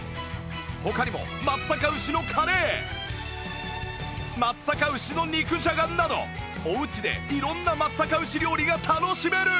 他にも松阪牛のカレー松阪牛の肉じゃがなどおうちで色んな松阪牛料理が楽しめる！